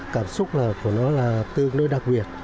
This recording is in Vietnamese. cảm xúc của nó là tương đối đặc biệt